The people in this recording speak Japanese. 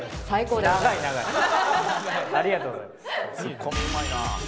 最高です。